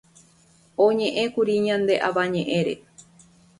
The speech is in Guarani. oñe'ẽkuri ñane Avañe'ẽre